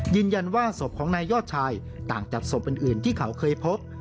ศพของนายยอดชายต่างจากศพอื่นที่เขาเคยพบ